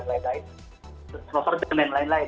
mulai dari tarian dika bahkan menang arno feni dan lain lain